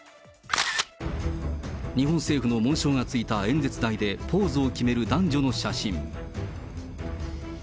日本政府の紋章がついた演説台でポーズを決める男女の写真。